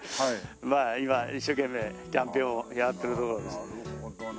まあ今一生懸命キャンペーンをやってるところです。